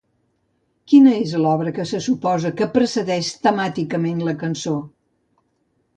Quina és l'obra que se suposa que precedeix temàticament la cançó?